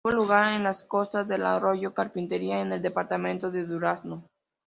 Tuvo lugar en las costas del arroyo Carpintería, en el departamento de Durazno.